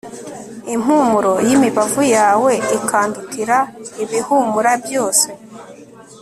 impumuro y'imibavu yawe ikandutira ibihumura byose!